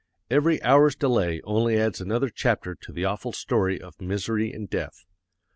Every hour's delay only adds another chapter to the awful story of misery and death.